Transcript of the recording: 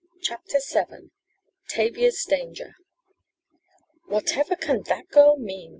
CHAPTER VII TAVIA'S DANGER "Whatever can that girl mean?"